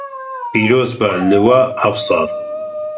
Pîroz be li we ev sal.